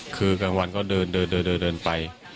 คือกลางวันก็เดินเดินไป